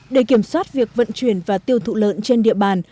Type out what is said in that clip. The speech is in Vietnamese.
để kiểm soát việc vận chuyển và tiêu thụ lợn trên địa bàn